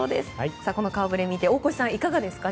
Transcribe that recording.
この顔ぶれ見て大越さん、いかがですか。